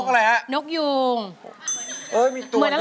เหมือนอะไรนะฮะ